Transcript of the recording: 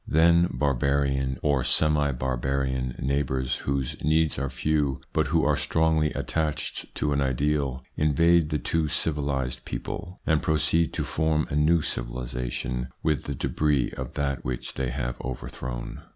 Then barbarian, or semi barbarian neighbours, whose needs are few, but who are strongly attached to an ideal, invade the too civilised people, and proceed to form a new civilisation with the debris of that which they have overthrown.